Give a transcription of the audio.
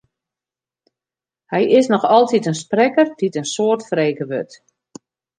Hy is noch altyd in sprekker dy't in soad frege wurdt.